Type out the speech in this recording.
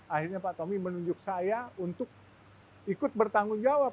akhirnya pak tommy menunjuk saya untuk ikut bertanggung jawab